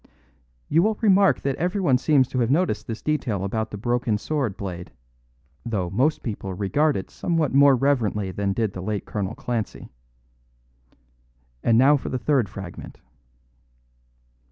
You will remark that everyone seems to have noticed this detail about the broken sword blade, though most people regard it somewhat more reverently than did the late Colonel Clancy. And now for the third fragment."